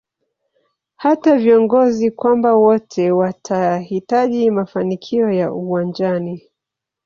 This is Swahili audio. hata viongozi kwamba wote watahitaji mafanikio ya uwanjani